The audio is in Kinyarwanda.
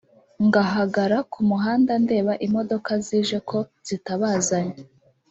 ngahagara ku muhanda ndeba imodoka zije ko zitabazanye